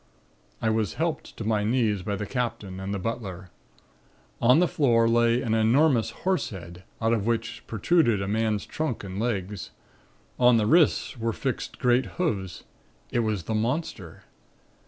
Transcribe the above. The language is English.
"I was helped to my knees by the Captain and the butler. On the floor lay an enormous horse head out of which protruded a man's trunk and legs. On the wrists were fixed great hoofs. It was the monster.